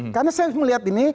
karena saya melihat ini